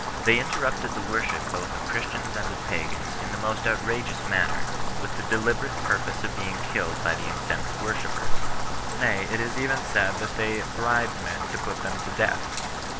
They inter rupted the worship both of Christians and of pagans in the most outrageous manner with the deliberate purpose of being killed by the incensed worshippers ; nay, it is even said that they bribed men to put them to death.